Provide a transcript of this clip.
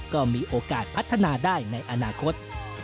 ก็มีโอกาสพัฒนาได้ในอนาคต